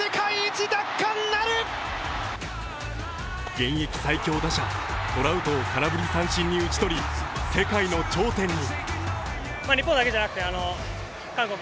現役最強打者、トラウトを空振り三振に打ち取り世界の頂点に。